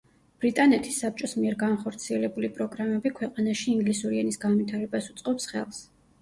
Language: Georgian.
ბრიტანეთის საბჭოს მიერ განხორციელებული პროგრამები ქვეყანაში ინგლისური ენის განვითარებას უწყობს ხელს.